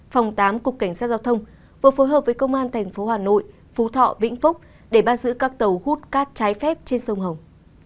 phòng tám cục cảnh sát giao thông vừa phối hợp với công an thành phố hà nội phú thọ vĩnh phúc để bắt giữ các tàu hút cát trái phép trên sông hồng